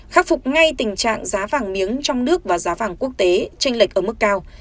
khắc phục ngay tình trạng giá vàng miếng trong nước và giá vàng quốc tế tranh lệch ở mức cao